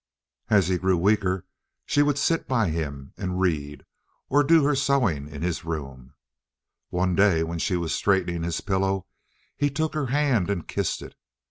As he grew weaker she would sit by him and read, or do her sewing in his room. One day when she was straightening his pillow he took her hand and kissed it.